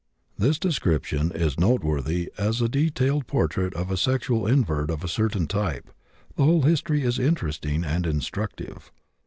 This description is noteworthy as a detailed portrait of a sexual invert of a certain type; the whole history is interesting and instructive.